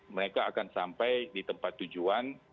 mereka akan sampai di tempat tujuan